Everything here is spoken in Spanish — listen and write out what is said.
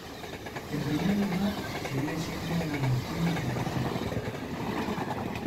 En primer lugar, seguía siendo una munición antipersona.